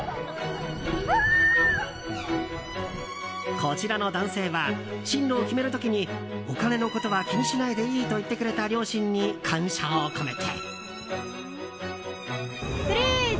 こちらの男性は進路を決める時にお金のことは気にしないでいいと言ってくれた両親に感謝を込めて。